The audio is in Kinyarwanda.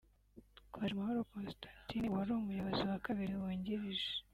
Twajamahoro Constantin; uwari umuyobozi wa kabiri wungirije